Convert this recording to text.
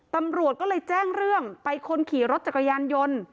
ตำรวจก็เลยแจ้งเรื่องไปคนขี่รถจักรยานยนต์